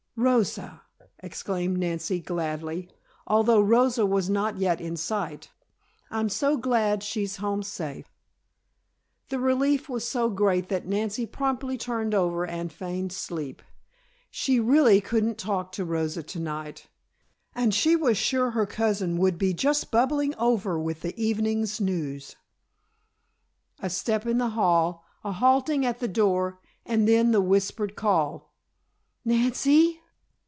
"Rosa!" exclaimed Nancy gladly, although Rosa was not yet in sight. "I'm so glad she's home safe!" The relief was so great that Nancy promptly turned over and feigned sleep. She really couldn't talk to Rosa to night, and she was sure her cousin would be just bubbling over with the evening's news. A step in the hall, a halting at the door and then the whispered call: "Nancy!"